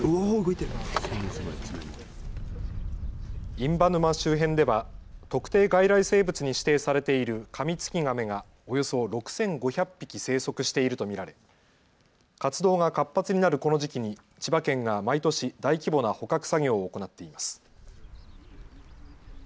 印旛沼周辺では特定外来生物に指定されているカミツキガメがおよそ６５００匹生息していると見られ活動が活発になるこの時期に千葉県が毎年、大規模な捕獲作業を行っています。